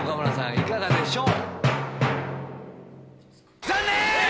いかがでしょう？